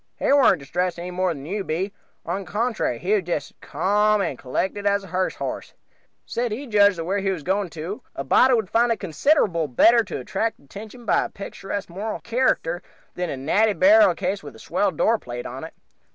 He warn't distressed any more than you be on the contrary, just as ca,'m and collected as a hearse horse; said he judged that wher' he was going to a body would find it considerable better to attract attention by a picturesque moral character than a natty burial case with a swell door plate on it.